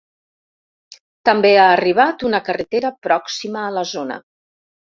També ha arribat a una carretera pròxima a la zona.